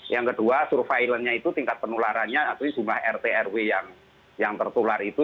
yang kedua survivalnya itu tingkat penularannya artinya jumlah rt rw yang tertular itu